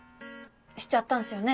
しちゃったんすよね？